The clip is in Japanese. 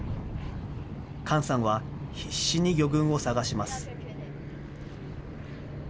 簡さんは必死に魚群を探します。